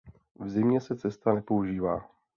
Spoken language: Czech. V zimě se cesta nepoužívá.